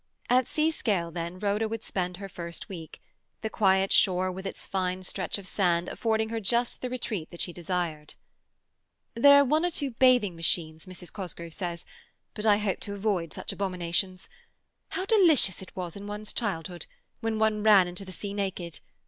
At Seascale, then, Rhoda would spend her first week, the quiet shore with its fine stretch of sand affording her just the retreat that she desired. "There are one or two bathing machines, Mrs. Cosgrove says, but I hope to avoid such abominations. How delicious it was in one's childhood, when one ran into the sea naked!